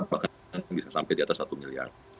bahkan bisa sampai di atas satu miliar